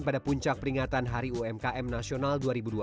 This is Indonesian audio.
pada puncak peringatan hari umkm nasional dua ribu dua puluh